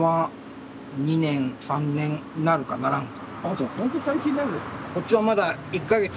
じゃあほんと最近なんですね。